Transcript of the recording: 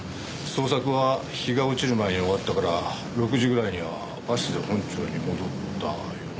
捜索は日が落ちる前に終わったから６時ぐらいにはバスで本庁に戻ったよな？